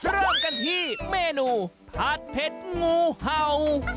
เริ่มกันที่เมนูผัดเผ็ดงูเห่า